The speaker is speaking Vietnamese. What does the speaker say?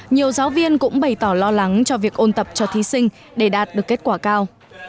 nhiều giáo viên cũng bày tỏ lo lắng cho việc ôn tập cho thí sinh để đạt được kết quả cao